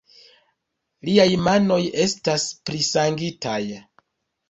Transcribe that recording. Liaj manoj estas prisangitaj.